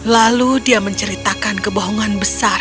lalu dia menceritakan kebohongan besar